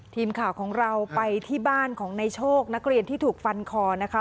ทีมข่าวของเราไปที่บ้านของในโชคนักเรียนที่ถูกฟันคอนะคะ